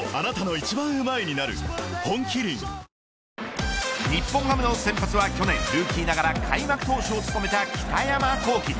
本麒麟日本ハムの先発は去年ルーキーながら開幕投手を務めた北山亘基。